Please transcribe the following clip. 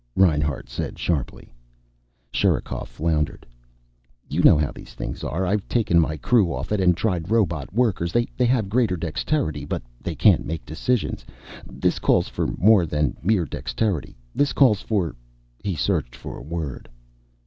Reinhart said sharply. Sherikov floundered. "You know how these things are. I've taken my crew off it and tried robot workers. They have greater dexterity, but they can't make decisions. This calls for more than mere dexterity. This calls for " He searched for the word.